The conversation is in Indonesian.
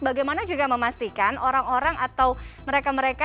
bagaimana juga memastikan orang orang atau mereka mereka